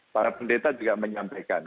para pendeta juga menyampaikan